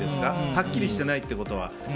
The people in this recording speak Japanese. はっきりしていないということは。